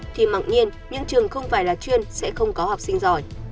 thì mặc nhiên những trường không phải là chuyên sẽ không có học sinh giỏi